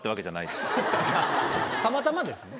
たまたまですね。